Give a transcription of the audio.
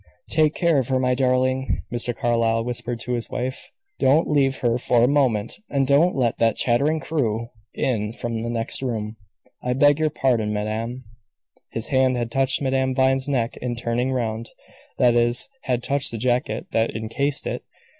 "Take care of her, my darling," Mr. Carlyle whispered to his wife. "Don't leave her for a moment, and don't let that chattering crew in from the next room. I beg your pardon, madame." His hand had touched Madame Vine's neck in turning round that is, had touched the jacket that encased it.